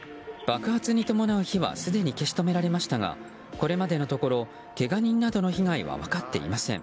爆発に伴う火はすでに消し止められましたがこれまでのところけが人などの被害は分かっていません。